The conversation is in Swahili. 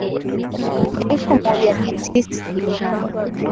Elfu moja mia tisa sabini na moja